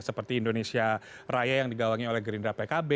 seperti indonesia raya yang digawangi oleh gerindra pkb